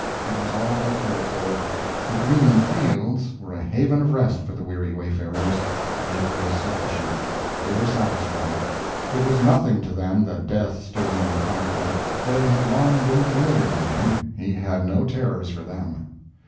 It was all they cared for. The "green fields" were a haven of rest for the weary wayfarers; it was sufficient; they were satisfied; it was nothing to them that death stood in their pathway; they had long been familiar to him; he had no terrors for them.